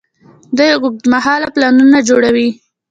دوی اوږدمهاله پلانونه جوړوي.